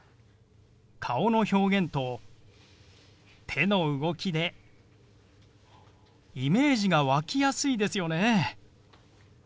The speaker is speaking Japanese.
顔の表現と手の動きでイメージが湧きやすいですよね。